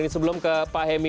dan ini sebelum ke pak hemi